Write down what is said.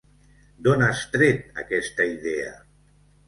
D'on has tret aquesta idea?